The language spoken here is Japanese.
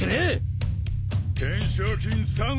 えっ！？